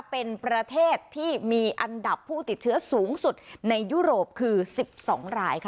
เป็นประเทศที่มีอันดับผู้ติดเชื้อสูงสุดในยุโรปคือ๑๒รายค่ะ